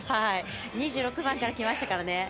２６番から来ましたからね。